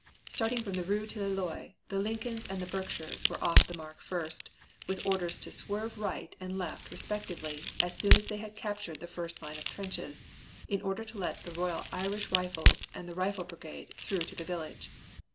Starting from the Rue Tilleloy the Lincolns and the Berkshires were off the mark first, with orders to swerve to right and left respectively as soon as they had captured the first line of trenches, in order to let the Royal Irish Rifles and the Rifle Brigade through to the village.